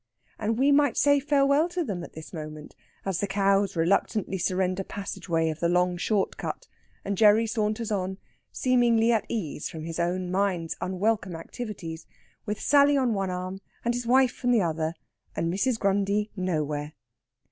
And we might say farewell to them at this moment as the cows reluctantly surrender passage way of the long short cut, and Gerry saunters on, seemingly at ease from his own mind's unwelcome activities, with Sally on one arm and his wife in the other, and Mrs. Grundy nowhere.